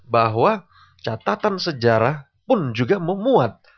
bahwa catatan sejarah pun juga memuat